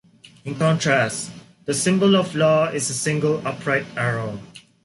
In contrast, the symbol of Law is a single upright arrow.